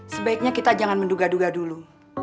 sebaiknya kita jangan menduga duga dulu